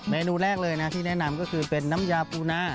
เมนูแรกเลยนะที่แนะนำก็คือเป็นน้ำยาปูนา